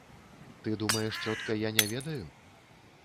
Ты думаеш, цётка, я не ведаю?